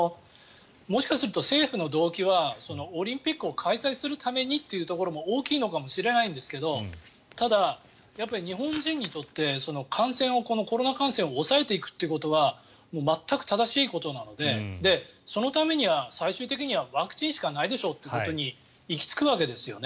もしかすると政府の動機はオリンピックを開催するためにというところが大きいのかもしれないですがただ、やっぱり日本人にとってコロナ感染を抑えていくということは全く正しいことなのでそのためには最終的にはワクチンしかないでしょということに行き着くわけですよね。